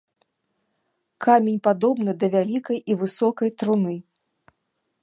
Камень падобны да вялікай і высокай труны.